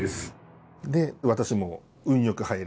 で私も運よく入れて。